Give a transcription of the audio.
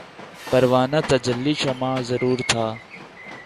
پروانۂ تجلی شمع ظہور تھا